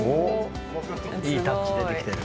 いいタッチ出てきてる。